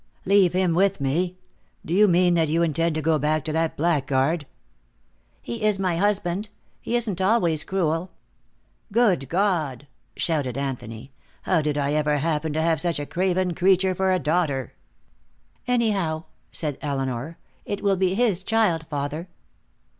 "Leave him with me! Do you mean that you intend to go back to that blackguard?" "He is my husband. He isn't always cruel." "Good God!" shouted Anthony. "How did I ever happen to have such a craven creature for a daughter?" "Anyhow," said Elinor, "it will be his child, father."